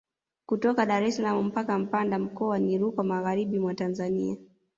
Kutoka Dar es salaam mpaka Mpanda mkoa ni Rukwa magharibi mwa Tanzania